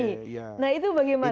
nah itu bagaimana sebetulnya